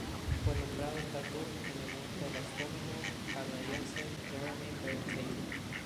Fue nombrado Tatum en honor del astrónomo canadiense Jeremy B. Tatum.